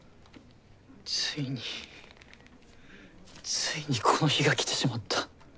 ついについにこの日が来てしまった。